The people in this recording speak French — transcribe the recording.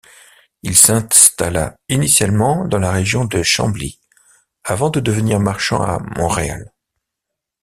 Il s'installa initialement dans la région de Chambly avant de devenir marchand à Montréal.